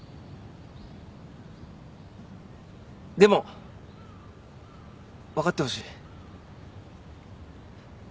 でも分かってほしい。